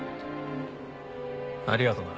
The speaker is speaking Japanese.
ありがとな。